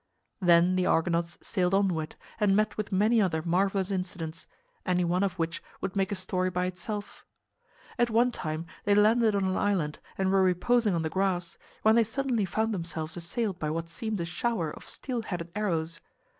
Then the Argonauts sailed onward and met with many other marvelous incidents, any one of which would make a story by itself. At one time they landed on an island and were reposing on the grass, when they suddenly found themselves assailed by what seemed a shower of steel headed arrows.